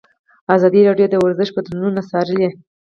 ازادي راډیو د ورزش بدلونونه څارلي.